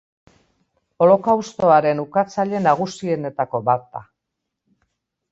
Holokaustoaren ukatzaile nagusienetako bat da.